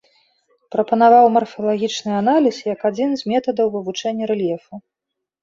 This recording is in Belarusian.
Прапанаваў марфалагічны аналіз як адзін з метадаў вывучэння рэльефу.